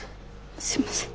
すいません。